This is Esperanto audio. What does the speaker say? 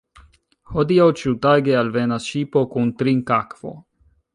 Hodiaŭ ĉiutage alvenas ŝipo kun trinkakvo.